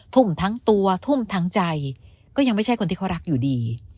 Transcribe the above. ทุ่มทั้งตัวทุ่มทั้งใจก็ยังไม่ใช่คนที่เขารักอยู่ดี